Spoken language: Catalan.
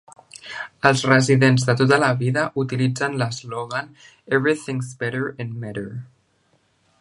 Els residents de tota la vida utilitzen l'eslògan "Everything's Better in Metter".